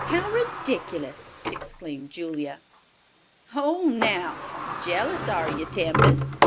"How ridiculous!" exclaimed Julia. "Ho now, jealous, are you, Tempest?"